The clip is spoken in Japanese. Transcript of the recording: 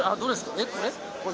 えっこれ？